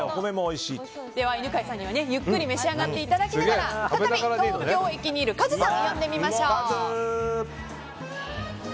犬飼さんには、ゆっくり召し上がっていただきながら再び東京駅にいるカズさんを呼んでみましょう。